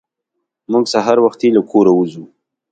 موږ سهار وختي له کوره وځو.